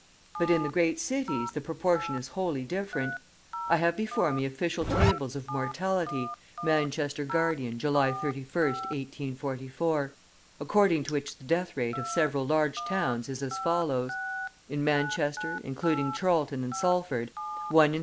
But in the great cities the proportion is wholly different. I have before me official tables of mortality (Manchester Guardian, July 31st, 1844), according to which the death rate of several large towns is as follows: In Manchester, including Chorlton and Salford, one in 32.